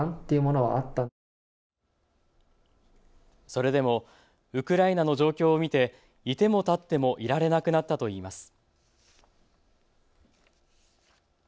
それでもウクライナの状況を見て居ても立ってもいられなくなったといいます。